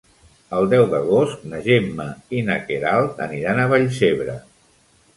El deu d'agost na Gemma i na Queralt aniran a Vallcebre.